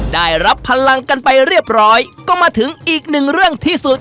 ได้รับพลังกันไปเรียบร้อยก็มาถึงอีกหนึ่งเรื่องที่สุด